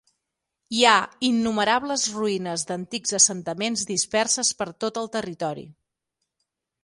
Hi ha innumerables ruïnes d'antics assentaments disperses per tot el territori.